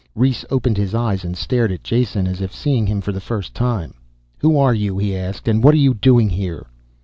Rhes opened his eyes and stared at Jason, as if seeing him for the first time. "Who are you?" he asked. "And what are you doing here?"